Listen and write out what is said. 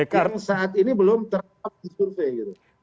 karena saat ini belum terang di survei